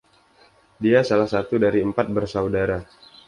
Dia salah satu dari empat bersaudara.